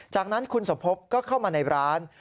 จากนั้นคุณสมภพก็เข้ามาในร้าน